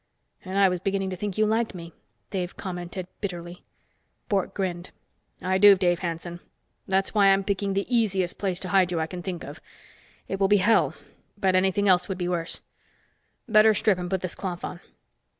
"And I was beginning to think you liked me," Dave commented bitterly. Bork grinned. "I do, Dave Hanson. That's why I'm picking the easiest place to hide you I can think of. It will be hell, but anything else would be worse. Better strip and put this cloth on."